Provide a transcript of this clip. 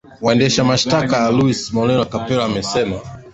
wendesha mashitaka luis moreno ocampo amesema